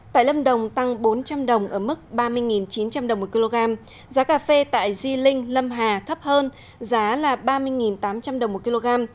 tại lâm đồng tăng bốn trăm linh đồng ở mức ba mươi chín trăm linh đồng một kg giá cà phê tại di linh lâm hà thấp hơn giá là ba mươi tám trăm linh đồng một kg